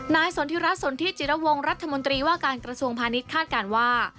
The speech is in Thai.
สนทิรัฐสนทิจิรวงรัฐมนตรีว่าการกระทรวงพาณิชย์คาดการณ์ว่า